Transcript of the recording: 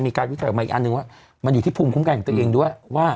มีการวิทยาศาสตร์ออกมาอีกอันหนึ่งว่ามันอยู่ที่ภูมิคุ้มกันของตัวเองด้วย